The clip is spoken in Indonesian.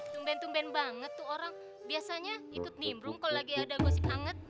tumben tumben banget tuh orang biasanya ikut nimrung kalau lagi ada gosip hanget